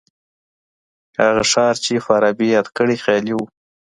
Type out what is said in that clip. هغه ښار چي فارابي یاد کړی خیالي و.